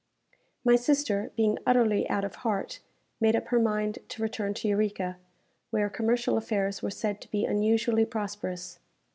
My sister, being utterly out of heart, made up her mind to return to Eureka, where commercial affairs were said to be unusually prosperous.